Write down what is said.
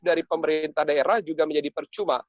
dari pemerintah daerah juga menjadi percuma